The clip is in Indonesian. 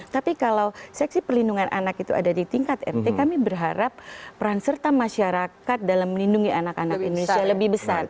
tapi kalau seksi perlindungan anak itu ada di tingkat rt kami berharap peran serta masyarakat dalam melindungi anak anak indonesia lebih besar